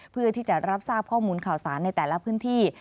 เพื่อที่จะรับทราบข้อมูลข่าวสารในแต่ละพื้นที่